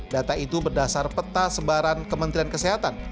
data itu berdasar peta sebaran kementerian kesehatan